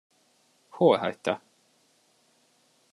Hol hagyta?